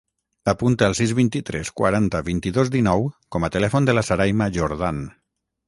Apunta el sis, vint-i-tres, quaranta, vint-i-dos, dinou com a telèfon de la Sarayma Jordan.